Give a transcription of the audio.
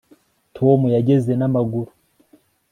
tom yageze n'amaguru